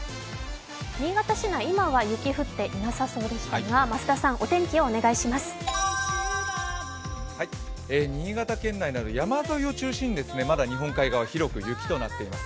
新潟市内、今は雪降っていなさそうでしたが、増田さん、お天気をお願いします。